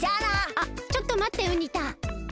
あっちょっとまってウニ太。